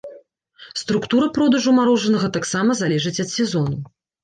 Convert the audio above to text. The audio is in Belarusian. Структура продажу марожанага таксама залежыць ад сезону.